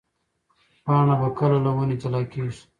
پاڼه به کله له ونې جلا کېږي؟